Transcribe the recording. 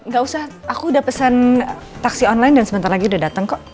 gak usah aku udah pesan taksi online dan sebentar lagi udah datang kok